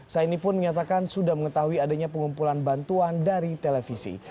saini pun menyatakan sudah mengetahui adanya pengumpulan bantuan dari televisi